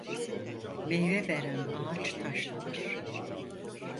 Meyve veren ağaç taşlanır.